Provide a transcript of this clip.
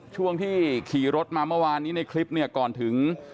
ช่วงที่ขี่รถมาเมื่อวานนี้ในคลิปเนี่ยก่อนถึง